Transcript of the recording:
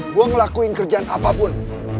gue ngelakuin kerjaan apapun